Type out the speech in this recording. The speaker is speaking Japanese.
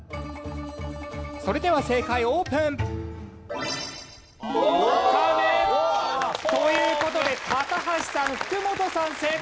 それでは正解オープン。という事で高橋さん福本さん正解！